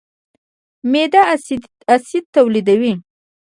معده اسید تولیدوي.